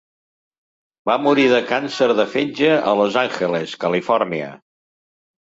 Va morir de càncer de fetge a Los Angeles, Califòrnia.